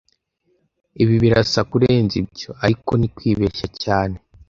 Ibi birasa kurenza ibyo, ariko ni kwibeshya cyane